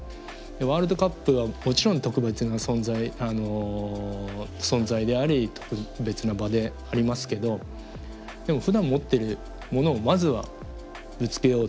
ワールドカップはもちろん特別な存在存在であり特別な場でありますけどでもふだん持ってるものをまずはぶつけようと。